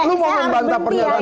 lu mau membantah pernyataan hasim